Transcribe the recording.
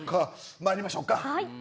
まいりましょうか。